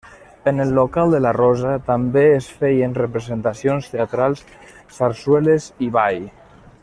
En el local de La Rosa també es feien representacions teatrals, sarsueles i ball.